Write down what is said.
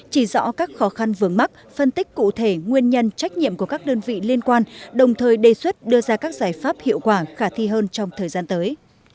chỉ rõ các khó khăn vướng mắt phân tích cụ thể nguyên nhân trách nhiệm của các đơn vị liên quan đồng thời đề xuất đưa ra các giải pháp hiệu quả khả thi hơn trong thời gian tới